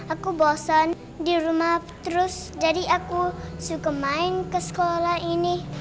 aku bosan di rumah terus jadi aku suka main ke sekolah ini